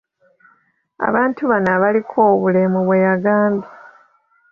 Abantu bano abaliko obulemu bwe yagambye.